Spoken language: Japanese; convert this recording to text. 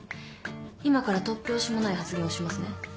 今から突拍子もない発言をしますね。